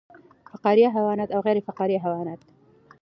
فقاریه حیوانات او غیر فقاریه حیوانات